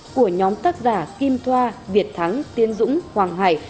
của nhóm tác giả kim thoa việt thắng tiên dũng hoàng hải